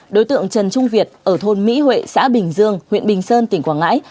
đối tượng trần trung việt ở thôn mỹ huệ xã bình dương huyện bình sơn tỉnh quảng ngãi